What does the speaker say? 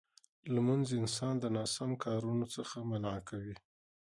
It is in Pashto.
لمونځ انسان د ناسم کارونو څخه منع کوي.